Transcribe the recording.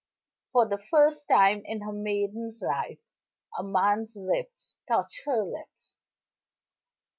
For the first time in her maiden's life, a man's lips touched her lips.